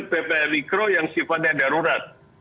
ppkm mikro yang sifatnya darurat